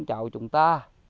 chào chúng ta